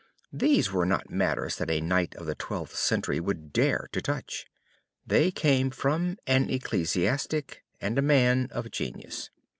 These were not matters that a knight of the Twelfth Century would dare to touch. They came from an ecclesiastic and a man of genius.